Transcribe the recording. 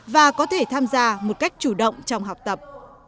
và có thể tham gia một cách chủ động trong học tập